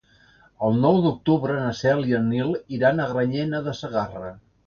El nou d'octubre na Cel i en Nil iran a Granyena de Segarra.